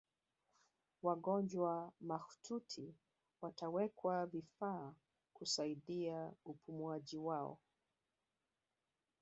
wagonjwa mahututi watawekewa vifaa kusaidia upumuaji wao